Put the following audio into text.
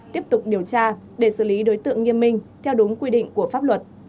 tiếp tục điều tra để xử lý đối tượng nghiêm minh theo đúng quy định của pháp luật